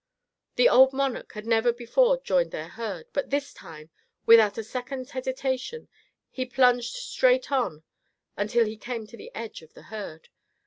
The old Monarch had never before joined their herd, but this time, without a second's hesitation, he plunged straight on until he came to the edge of the herd.